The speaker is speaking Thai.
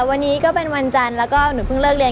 วันนี้ก็เป็นวันจันทร์แล้วก็หนูเพิ่งเลิกเรียน